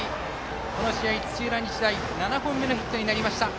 この試合、土浦日大７本目のヒットになりました。